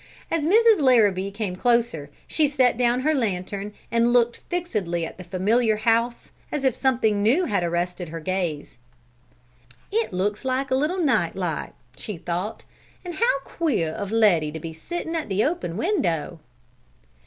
As Mrs. Larrabee came closer, she set down her lantern and looked fixedly at the familiar house as if something new arrested her gaze. "It looks like a little night light!" she thought. "And how queer of Letty to be sitting at the open window!"